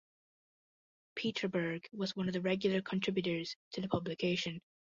Peter Berg was one of the regular contributors to the publication.